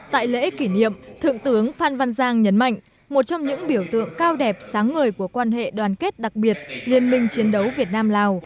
tại lễ kỷ niệm thượng tướng phan văn giang nhấn mạnh một trong những biểu tượng cao đẹp sáng ngời của quan hệ đoàn kết đặc biệt liên minh chiến đấu việt nam lào